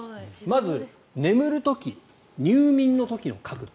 まず、眠る時入眠の時の角度。